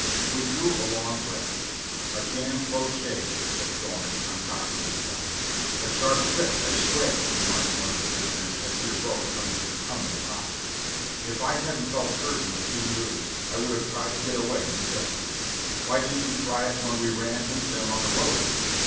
We drew a long breath. "A damn close shave!" said Thorne, uncocking his gun. "A sharp trick, I swear," remarked one of the prisoners as he arose from his recumbent posture. "If I hadn't felt certain of being released I would have tried to get away, you bet." "Why didn't you try it when we ran into them on the road?"